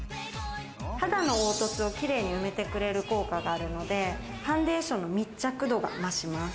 肌の凹凸をキレイに埋めてくれる効果があるのでファンデーションの密着度が増します。